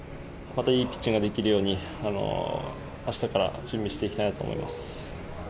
またいいピッチングができるように、あしたから準備していきたいなと思います。